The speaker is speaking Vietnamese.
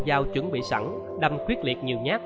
dao chuẩn bị sẵn đâm quyết liệt nhiều nhát